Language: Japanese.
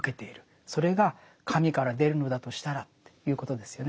それが神から出るのだとしたらということですよね。